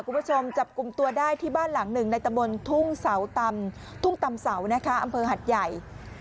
คุณผู้ชมจับกลุ่มตัวได้ที่บ้านหลังหนึ่งในตะบนทุ่งเสาตำทุ่งตำเสานะคะอำเภอหัดใหญ่